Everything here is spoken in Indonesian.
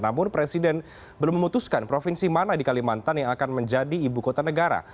namun presiden belum memutuskan provinsi mana di kalimantan yang akan menjadi ibu kota negara